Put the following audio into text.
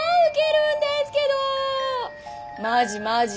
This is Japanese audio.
「マジマジ。